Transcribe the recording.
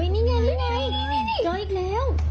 นี่ค่ะ